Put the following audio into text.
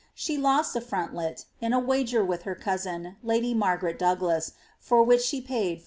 She lost a frontlet, in a wager with her cousin, lady Marjraret Douglas, for which she paid 4